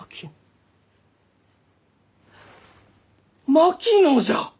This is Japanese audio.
槙野じゃ！